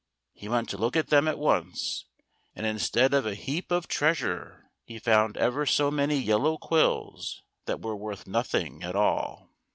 He went to look at them at once, and instead of a heap of treasure he found ever so many yellow quills that were worth nothing at all.